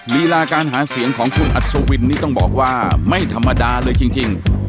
ลีลาการหาเสียงของคุณอัศวินนี่ต้องบอกว่าไม่ธรรมดาเลยจริง